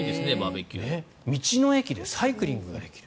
道の駅でサイクリングができる。